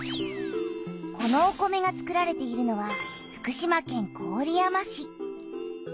このお米がつくられているのは福島県郡山市。